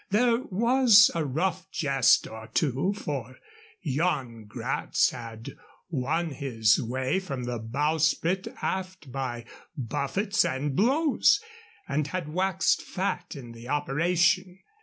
There was a rough jest or two, for Yan Gratz had won his way from the bowsprit aft by buffets and blows, and had waxed fat in the operation.